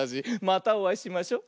またおあいしましょ。